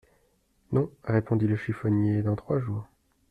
Non, répondit le chiffonnier, dans trois jours.